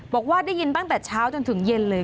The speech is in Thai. บอกว่าได้ยินตั้งแต่เช้าจนถึงเย็นเลย